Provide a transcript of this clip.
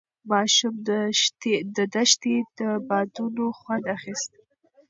ماشوم د دښتې د بادونو خوند اخیست.